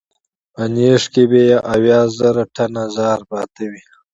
په نېښ کې به یې اویا زره ټنه زهر پراته وي.